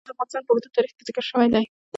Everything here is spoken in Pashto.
بادام د افغانستان په اوږده تاریخ کې ذکر شوی دی.